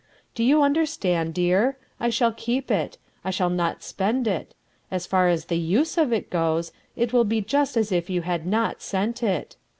Do you understand, dear? I shall keep it. I shall not spend it. As far as the USE of it goes, it will be just as if you had not sent it.